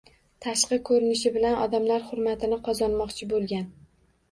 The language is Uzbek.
Tashqi ko‘rinishi bilan odamlar hurmatini qozonmoqchi bo‘lgan